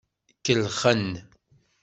Kellxen.